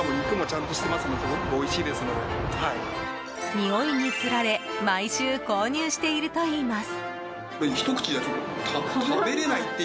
においにつられ毎週購入しているといいます。